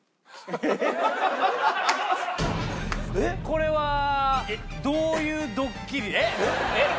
これはどういうドッキリえっ？えっ？